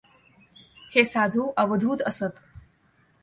हे साधू अवधूत असत.